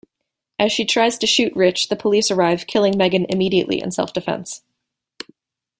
As she tries to shoot Rich, the police arrive, killing Megan immediately in self-defense.